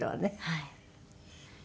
はい。